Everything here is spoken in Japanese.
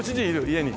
家に。